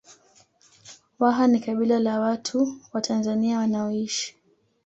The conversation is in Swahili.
Waha ni kabila la watu wa Tanzania wanaoishi